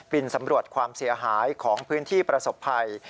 สำรวจความเสียหายของพื้นที่ประสบภัย